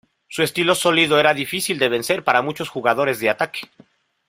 Su estilo sólido era difícil de vencer para muchos jugadores de ataque.